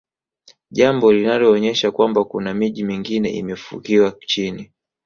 jambo linaloonyesha kwamba kuna miji mingine imefukiwa chini